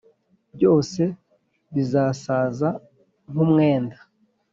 byose bizasaza nk umwenda